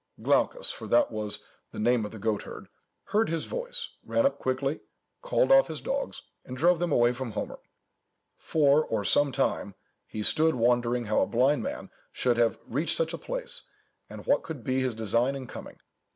Glaucus (for that was the name of the goat herd) heard his voice, ran up quickly, called off his dogs, and drove them away from Homer. For some time he stood wondering how a blind man should have reached such a place alone, and what could be his design in coming.